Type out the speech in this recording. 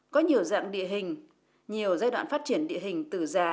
có nhiều dạng địa hình nhiều giai đoạn phát triển địa hình từ già